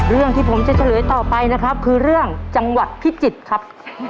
เรื่องที่ผมจะเฉลยต่อไปนะครับคือเรื่องจังหวัดพิจิตรครับ